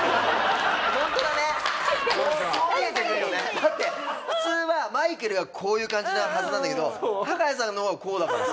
だって普通はマイケルがこういう感じなはずなんだけどタカヤさんの方がこうだからさ。